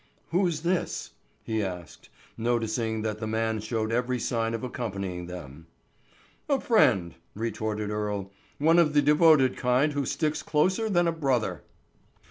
"Who's this?" he asked, noticing that this man showed every sign of accompanying them. "A friend," retorted Earle, "one of the devoted kind who sticks closer than a brother."